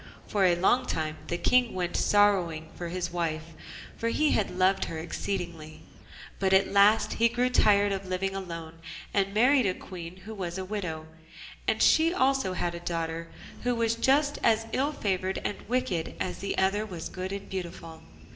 For a long time the King went sorrowing for his wife, for he had loved her exceedingly; but at last he grew tired of living alone, and married a Queen who was a widow, and she also had a daughter, who was just as ill favoured and wicked as the other was good and beautiful.